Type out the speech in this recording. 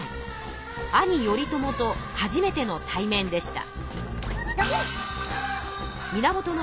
兄頼朝と初めての対面でした。